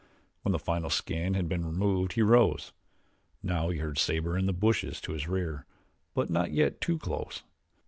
When the final skin had been removed he rose. Now he heard Sabor in the bushes to his rear, but not yet too close.